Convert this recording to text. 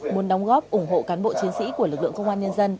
muốn đóng góp ủng hộ cán bộ chiến sĩ của lực lượng công an nhân dân